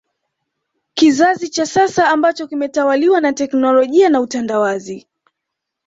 Kizazi cha sasa ambacho kimetawaliwa na teknolojia na utandawazi